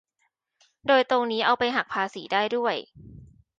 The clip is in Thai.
โดยตรงนี้เอาไปหักภาษีได้ด้วย